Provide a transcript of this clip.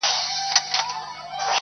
نو د وجود~